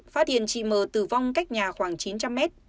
phát hiện chị m tử vong cách nhà khoảng chín trăm linh mét